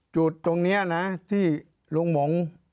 จุดตรงนี้นะที่ลุงหมง